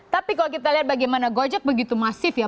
tapi kalau kita lihat bagaimana gojek begitu masif ya